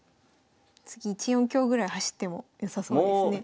次１四香ぐらい走ってもよさそうですね。